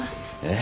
え？